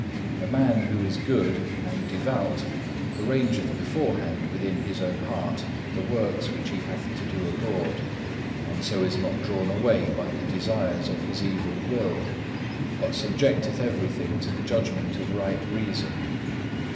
A man who is good and devout arrangeth beforehand within his own heart the works which he hath to do abroad; and so is not drawn away by the desires of his evil will, but subjecteth everything to the judgment of right reason.